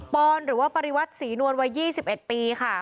ปอนปริวัติศรีนวลวัย๒๑ปีค่ะ